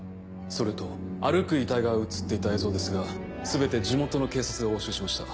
それと歩く遺体が写っていた映像ですが全て地元の警察が押収しました。